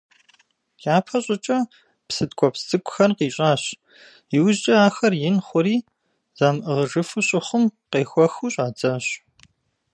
Япэ щӀыкӀэ псы ткӀуэпс цӀыкӀухэр къищӀащ, иужькӀэ ахэр ин хъури, замыӀыгъыжыфу щыхъум, къехуэхыу щӀадзащ.